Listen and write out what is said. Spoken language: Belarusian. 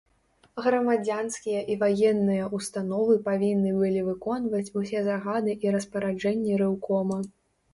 Грамадзянскія і ваенныя ўстановы павінны былі выконваць усе загады і распараджэнні рэўкома.